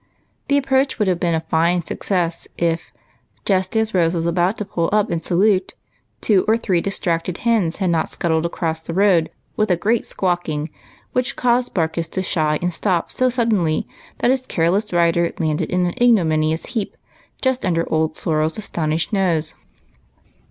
The approach would have been a fine success if, just as Rose was about to pull up and salute, two or three distracted hens had not scuttled across the road with a great squawking, which caused Barkis to shy and stop so suddenly that his careless rider landed in an ignominious heaj) just under old Sorrel's astonished nose.